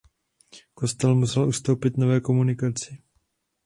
Kostel musel ustoupit nové komunikaci.